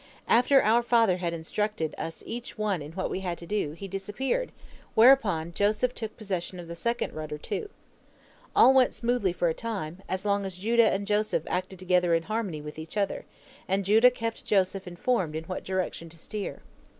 After our father had instructed us each one in what we had to do, he disappeared, whereupon Joseph took possession of the second rudder, too. All went smoothly for a time, as long as Judah and Joseph acted together in harmony with each other, and Judah kept Joseph informed in what direction to steer.